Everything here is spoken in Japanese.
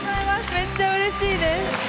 めっちゃうれしいです。